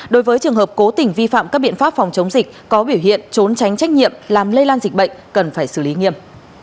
đối với trường hợp cố tình vi phạm các biện pháp phòng chống dịch có biểu hiện trốn tránh trách nhiệm làm lây lan dịch bệnh cần phải xử lý nghiêm